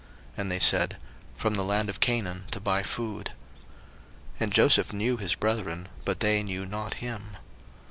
And they said, From the land of Canaan to buy food. 01:042:008 And Joseph knew his brethren, but they knew not him.